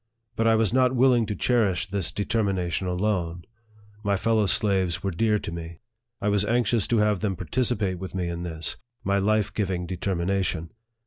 But I was not willing to cherish this determination alone. My fellow slaves were dear to me. I was anxious to have them participate with me in this, my life giving deter mination.